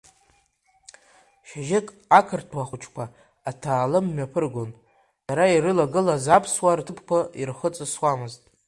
Шьыжьык ақырҭуа хәыҷқәа аҭаалым мҩаԥыргон, дара ирылагылаз аԥсуаа рҭыԥқәа ирхыҵысуамызт.